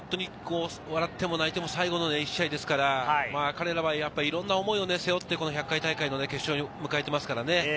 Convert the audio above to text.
笑っても泣いても最後の１試合ですから、彼らはいろんな思いを背負って１００回大会の決勝を迎えていますからね。